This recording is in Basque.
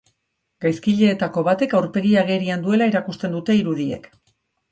Gaizkileetako batek aurpegia agerian duela erakusten dute irudiek.